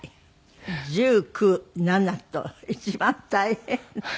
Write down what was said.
１０９７と一番大変。